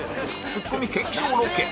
ツッコミ検証ロケ